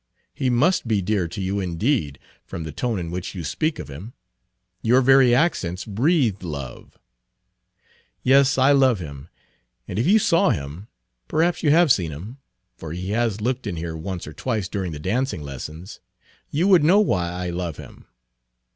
"He must be dear to you indeed, from the tone in which you speak of him. Your very accents breathe love." "Yes, I love him, and if you saw him perhaps you have seen him, for he has looked Page 44 in here once or twice during the dancing lessons you would know why I love him.